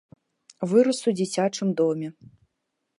Вырас у дзіцячым доме.